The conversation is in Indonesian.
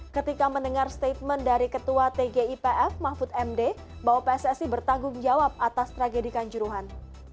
ketika mendengar statement dari ketua tgipf mahfud md bahwa pssi bertanggung jawab atas tragedi kanjuruhan